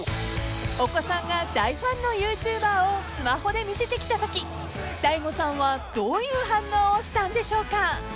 ［お子さんが大ファンのＹｏｕＴｕｂｅｒをスマホで見せてきたとき大悟さんはどういう反応をしたんでしょうか？］